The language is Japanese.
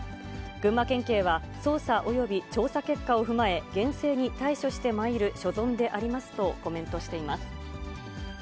群馬県警は、捜査および調査結果を踏まえ、厳正に対処してまいる所存でありますとコメントしています。